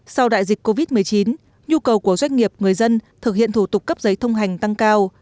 sau đại dịch covid một mươi chín nhu cầu của doanh nghiệp người dân thực hiện thủ tục cấp giấy thông hành tăng cao